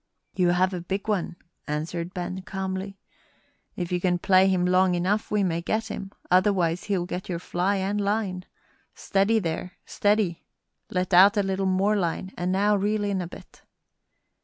"You have a big one," answered Ben, calmly. "If you can play him long enough we may get him; otherwise he'll get your fly and line. Steady there, steady; let out a little more line, and now reel in a bit."